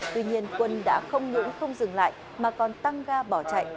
tuy nhiên quân đã không những không dừng lại mà còn tăng ga bỏ chạy